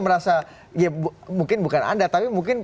merasa ya mungkin bukan anda tapi mungkin